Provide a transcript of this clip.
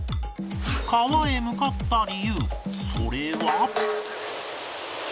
川へ向かった理由それは